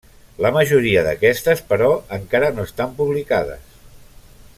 La majoria d'aquestes però, encara no estan publicades.